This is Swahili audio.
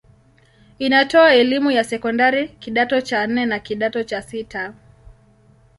Inatoa elimu ya sekondari kidato cha nne na kidato cha sita.